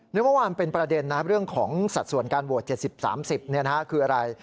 เมื่อวานเป็นประเด็นนะเรื่องของสัดส่วนการโหวต๗๐๓๐คืออะไร